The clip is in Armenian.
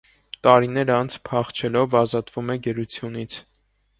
Տարիներ անց, փախչելով՝ ազատվում է գերությունից։